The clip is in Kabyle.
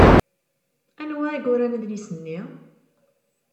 Anwa i yuran adlis-nni?